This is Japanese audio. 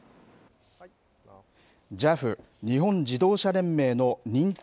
ＪＡＦ・日本自動車連盟の認定